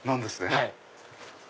はい。